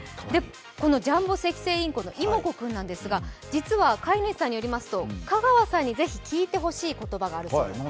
このジャンボセキセイインコの妹子君ですが、実は飼い主さんによりますと香川さんに是非聞いてほしい言葉があるそうです。